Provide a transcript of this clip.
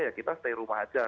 ya kita stay rumah aja